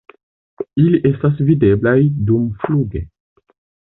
Ili estas videblaj dumfluge.